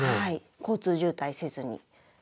交通渋滞せずに。